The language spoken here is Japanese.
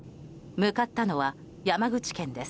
向かったのは山口県です。